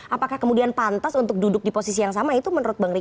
apakah kemudian pantas untuk duduk di posisi yang sama itu menurut bang riko